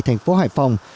thành phố hải phòng